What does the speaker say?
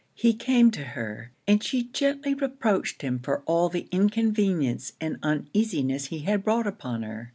He came to her; and she gently reproached him for all the inconvenience and uneasiness he had brought upon her.